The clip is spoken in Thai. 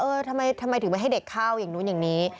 ทำไมถึงไม่ให้เด็กเข้าอย่างนู้นอย่างนี้